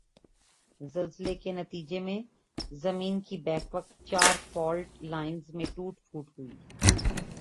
زلزلی کی نتیجی میں زمین کی بیک وقت چار فالٹ لائنز میں ٹوٹ پھوٹ ہوئی۔